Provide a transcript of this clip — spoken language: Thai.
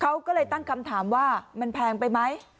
เขาก็เลยตั้งคำถามว่ามันแพงไปไหม